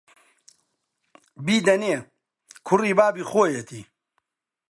بیدەنێ، کوڕی بابی خۆیەتی